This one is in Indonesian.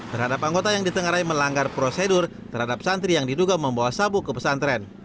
terhadap anggota yang ditengarai melanggar prosedur terhadap santri yang diduga membawa sabuk ke pesantren